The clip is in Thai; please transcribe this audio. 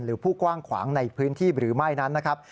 ผู้กว้างขวางในพื้นที่หรือไม่นั้นนะครับ